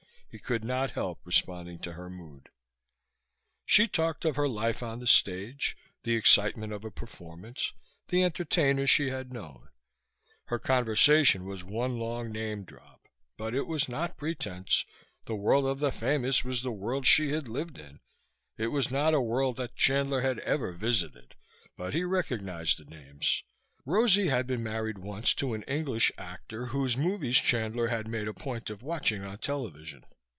He could not help responding to her mood. She talked of her life on the stage, the excitement of a performance, the entertainers she had known. Her conversation was one long name drop, but it was not pretense: the world of the famous was the world she had lived in. It was not a world that Chandler had ever visited, but he recognized the names. Rosie had been married once to an English actor whose movies Chandler had made a point of watching on television.